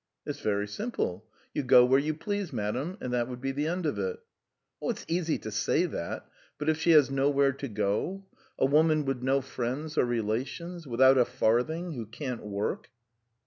"It's very simple. 'You go where you please, madam' and that would be the end of it." "It's easy to say that! But if she has nowhere to go? A woman with no friends or relations, without a farthing, who can't work